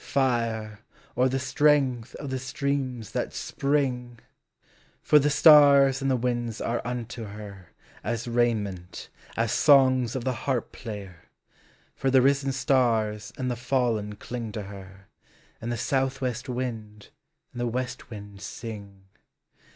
Fire, or the strength of the streams that spring. For the slms and the winds are unto her As raiment, as songs of the harp player For the risen stars and the fallen cling to her And the southwest wind and the west wind s.ng.